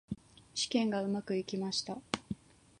試験がうまくいきました。